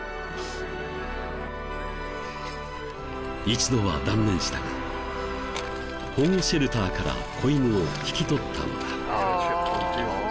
一度は断念したが保護シェルターから子犬を引き取ったのだ。